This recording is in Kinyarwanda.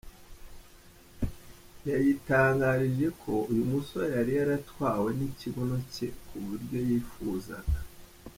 yayitangarije ko uyu musore yari yaratwawe nikibuno cye ku buryo yifuzaga.